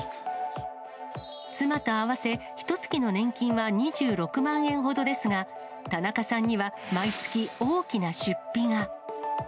妻と合わせ、ひとつきの年金は２６万円ほどですが、田中さんには毎月大きな出費が。